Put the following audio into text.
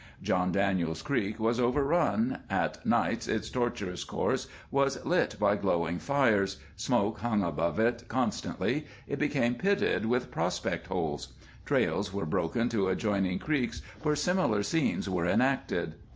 John Daniels Creek was overrun, at nights its tortuous course was lit by glowing fires, smoke hung above it constantly, it became pitted with prospect holes. Trails were broken to adjoining creeks where similar scenes were enacted.